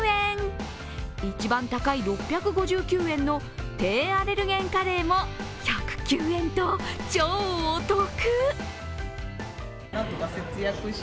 一番高い６５９円の低アレルゲンカレーも１０９円と超お得。